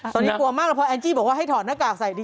ตอนนี้กลัวมากแล้วพอแอนจี้บอกว่าให้ถอดหน้ากากใส่ดี